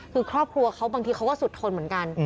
คือครอบครัวเขาบางทีเขาก็สุดทนเหมือนกัน